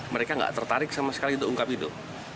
mereka nggak tertarik sama sekali untuk ungkap itu